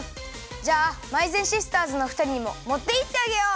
じゃあまいぜんシスターズのふたりにももっていってあげよう！